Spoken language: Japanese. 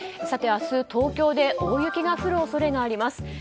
さて明日、東京で大雪が降る恐れがあります。